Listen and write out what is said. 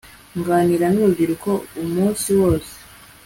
nganira nurubyiruko umunsi wose